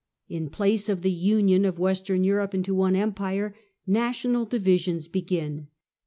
In place of the union of Western Europe into one Empire, national divisions begin.